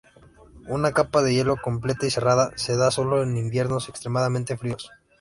Una capa de hielo completa y cerrada se da sólo en inviernos extremadamente fríos.